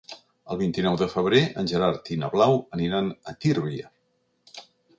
El vint-i-nou de febrer en Gerard i na Blau aniran a Tírvia.